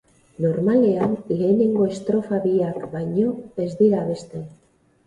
Normalean, lehenengo estrofa biak baino ez dira abesten.